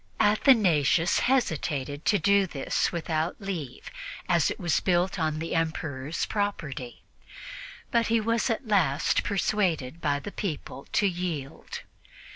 Athanasius hesitated to do this without leave, as it was built on the Emperor's property, but he was at last persuaded by the people to yield.